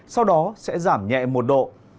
sau đó sẽ giảm nhẹ một độ